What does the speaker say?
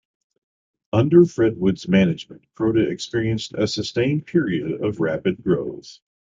Under Fred Wood's management Croda experienced a sustained period of rapid growth.